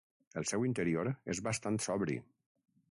El seu interior és bastant sobri.